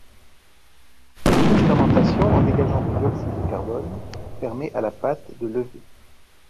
Cette fermentation, en dégageant du dioxyde de carbone, permet à la pâte de lever.